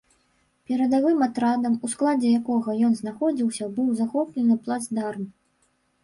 Перадавым атрадам, у складзе якога ён знаходзіўся быў захоплены плацдарм.